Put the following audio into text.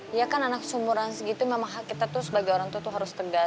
iya kan anak seumuran segitu memang hak kita tuh sebagai orang tua tuh harus tegas